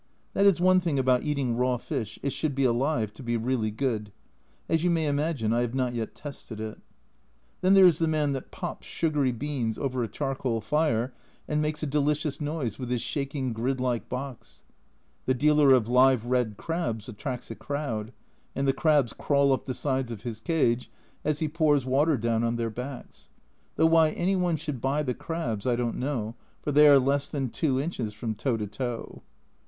That is one thing about eating raw fish, it should be alive to be really good. As you may imagine, I have not yet tested it. Then there is the man that " pops " A Journal from Japan 187 sugary beans over a charcoal fire, and makes a delicious noise with his shaking grid like box. The dealer of live red crabs attracts a crowd, and the crabs crawl up the sides of his cage as he pours water down on their backs. Though why any one should buy the crabs, I don't know, for they are less than 2 inches from toe to toe.